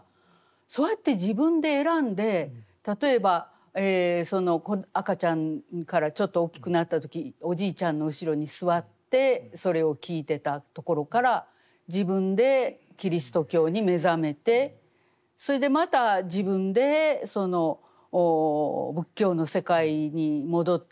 そうやって自分で選んで例えば赤ちゃんからちょっと大きくなった時おじいちゃんの後ろに座ってそれを聞いてたところから自分でキリスト教に目覚めてそれでまた自分で仏教の世界に戻ってきた。